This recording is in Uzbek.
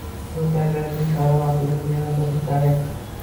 Bu tabiatning karomatidan yana bir darak.